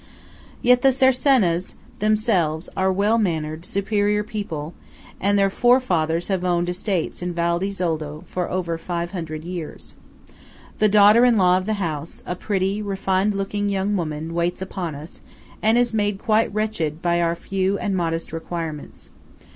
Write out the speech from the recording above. Yet the Cercenas themselves are well mannered superior people, and their forefathers have owned estates in Val di Zoldo for over five hundred years. The daughter in law of the house, a pretty, refined looking young woman, waits upon us, and is made quite wretched by our few and modest requirements.